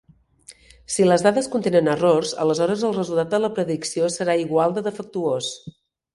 Si les dades contenen errors, aleshores el resultat de la predicció serà igual de defectuós.